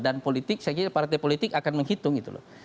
dan politik saya kira partai politik akan menghitung itu loh